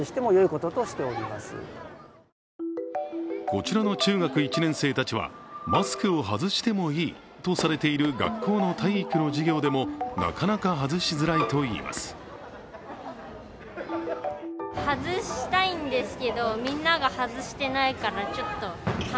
こちらの中学１年生たちはマスクを外してもいいとされている学校の体育の授業でも、なかなか外しづらいといいます。